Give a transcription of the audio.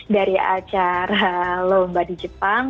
dari acara lomba di jepang